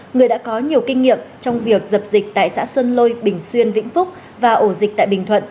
người đã có nhiều kinh nghiệm trong việc dập dịch tại xã sơn lôi bình xuyên vĩnh phúc và ổ dịch tại bình thuận